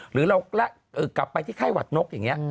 หรือเรากลับไปที่ไข้หวัดนกอย่างนี้